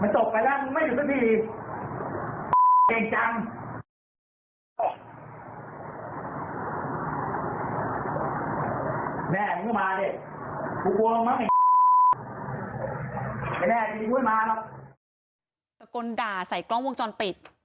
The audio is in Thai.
ตะโกนด่าใส่กล้องวงจรปิด